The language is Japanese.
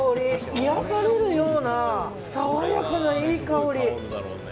癒やされるような爽やかないい香り。